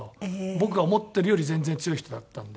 僕が思ってるより全然強い人だったので。